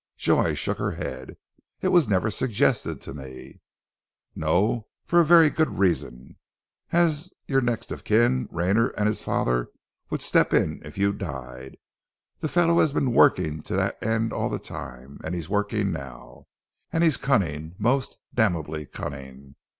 Joy shook her head. "It was never suggested to me!" "No for a very good reason. As your next of kin Rayner and his father would step in if you died. The fellow has been working to that end all the time he's working now! And he's cunning most damnably cunning.